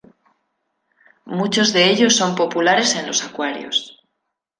Muchos de ellos son populares en los acuarios.